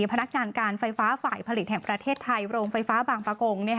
พนักงานการไฟฟ้าฝ่ายผลิตแห่งประเทศไทยโรงไฟฟ้าบางประกง